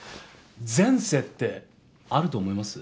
前世ってあると思います？